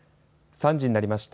３時になりました。